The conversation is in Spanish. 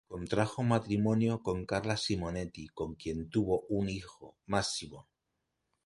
Contrajo matrimonio con Carla Simonetti, con quien tuvo un hijo, Massimo.